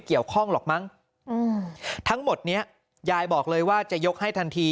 หรอกมั้งทั้งหมดนี้ยายบอกเลยว่าจะยกให้ทันที